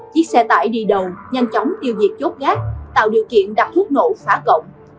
chiếc xe tải đi đầu nhanh chóng tiêu diệt chốt gác tạo điều kiện đặt thuốc nổ phá cổng